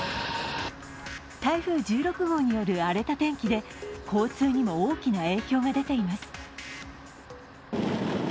台風１６号による荒れた天気で交通にも大きな影響が出ています。